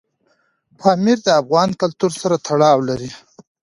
پامیر د افغان کلتور سره تړاو لري.